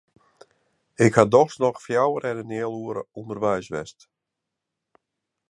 Ik ha dochs noch fjouwer en in heal oere ûnderweis west.